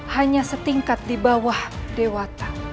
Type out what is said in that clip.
hanya setingkat di bawah dewata